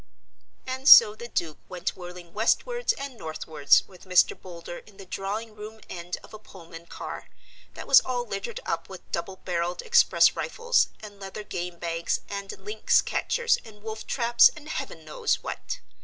And so the Duke went whirling westwards and northwards with Mr. Boulder in the drawing room end of a Pullman car, that was all littered up with double barrelled express rifles and leather game bags and lynx catchers and wolf traps and Heaven knows what.